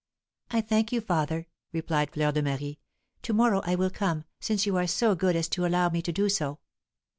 "I thank you, father," replied Fleur de Marie. "To morrow I will come, since you are so good as to allow me to do so."